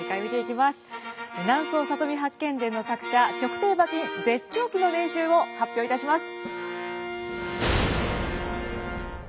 「南総里見八犬伝」の作者曲亭馬琴絶頂期の年収を発表いたします。